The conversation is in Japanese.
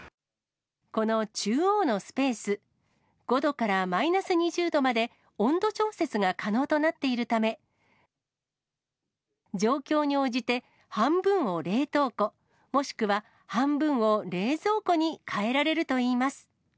この中央のスペース、５度からマイナス２０度まで温度調節が可能となっているため、状況に応じて、半分を冷凍庫、もしくは半分を冷蔵庫に変えられるといいます。